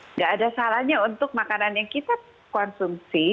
nggak ada salahnya untuk makanan yang kita konsumsi